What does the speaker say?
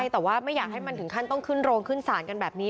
แต่ว่าไม่อยากให้มันถึงขั้นต้องขึ้นโรงขึ้นศาลกันแบบนี้